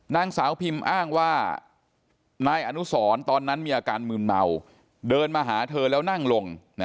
นางสาวพิมอ้างว่านายอนุสรตอนนั้นมีอาการมืนเมาเดินมาหาเธอแล้วนั่งลง